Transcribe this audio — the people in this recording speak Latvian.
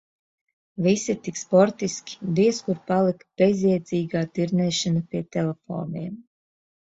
Visi tik sportiski, diez kur palika bezjēdzīgā dirnēšana pie telefoniem.